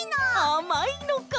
あまいのか！